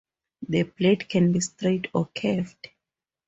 The blade can be straight or curved.